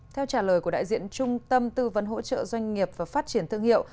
theo trả lời của đại diện trung tâm tư vấn hỗ trợ doanh nghiệp và phát triển thương hiệu